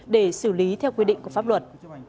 để xử lý theo quy định của pháp luật